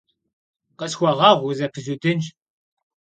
Khısxueğueğu, vuzepızudınş.